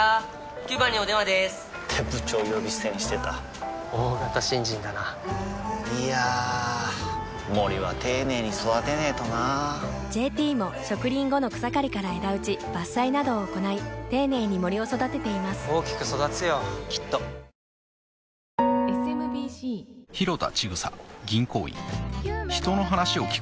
９番にお電話でーす！って部長呼び捨てにしてた大型新人だないやー森は丁寧に育てないとな「ＪＴ」も植林後の草刈りから枝打ち伐採などを行い丁寧に森を育てています大きく育つよきっと世界陸上ブダペスト開幕まであと９日となりました。